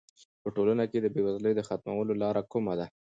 په ټولنه کې د بې وزلۍ د ختمولو لاره کومه ده؟